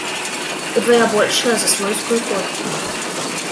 Удвая большая за свойскую котку.